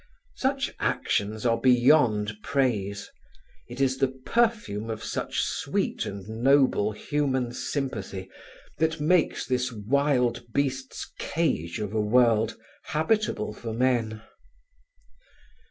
Such actions are beyond praise; it is the perfume of such sweet and noble human sympathy that makes this wild beasts' cage of a world habitable for men.